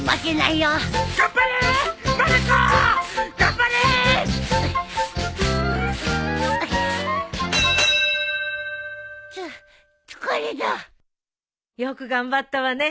よく頑張ったわね。